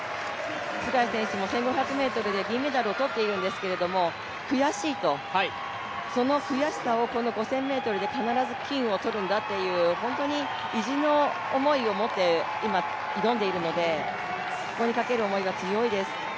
ツェガイ選手も１５００ｍで銀メダルを取っているんですけれども悔しいと、その悔しさをこの５０００ｍで必ず金を取るんだという本当に意地の思いを持って、今挑んでいるので、ここに懸ける思いが強いです。